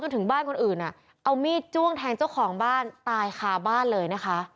ถึงบ้านคนอื่นอ่ะเอามีดจ้วงแทงเจ้าของบ้านตายคาบ้านเลยนะคะ